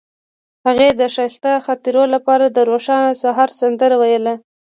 هغې د ښایسته خاطرو لپاره د روښانه سهار سندره ویله.